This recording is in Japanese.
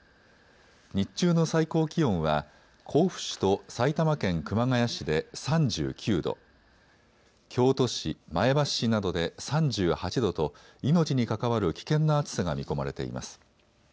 日中の最高気温は甲府市と埼玉県熊谷市で３９度、京都市、前橋市などで３８度と命に関わる危険な暑さが見込まれています。